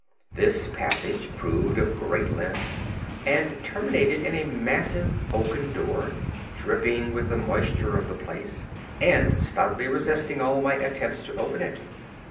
This passage proved of great length, and terminated in a massive oaken door, dripping with the moisture of the place, and stoutly resisting all my attempts to open it.